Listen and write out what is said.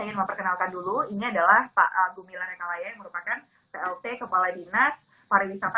saya ingin memperkenalkan dulu ini adalah pak gumilar ekalaya yang merupakan plt kepala dinas pariwisata